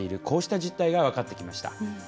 こうした実態が分かってきました。